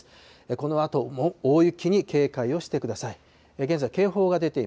このあとも大雪に警戒をしてください。